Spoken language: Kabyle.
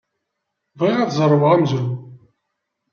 Bɣiɣ ad zerweɣ amezruy.